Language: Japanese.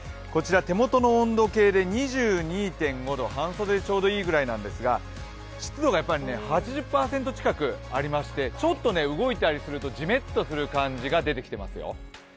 手元の温度計で２２．５度、半袖でちょうどいいぐらいなんですが、湿度が８０％近くありましてちょっと動いたりするとじめっとする感じが出てきていますよ。